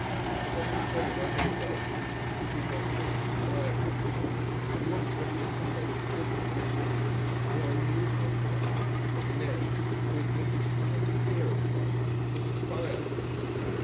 As I was turning my head away who did not wish to spy upon them thus, the woman lifted her face to kiss the man, and I knew her for that beautiful Inez who has visited us here at times, as a spy I think.